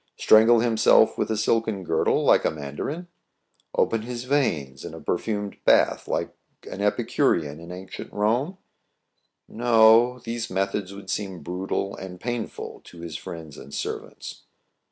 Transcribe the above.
^ strangle himself with a silken girdle like a mandarin? open his veins in a perfumed bath like an epicurean in ancient Rome } No : these methods would seem brutal, and painful to his friends and servants.